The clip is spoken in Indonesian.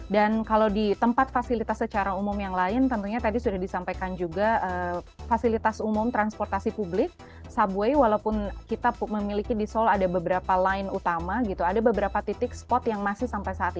dan kalau di tempat fasilitas secara umum yang lain tentunya tadi sudah disampaikan juga fasilitas umum transportasi publik subway walaupun kita memiliki di seoul ada beberapa lain utama gitu ada beberapa titik spot yang masih sampai saat ini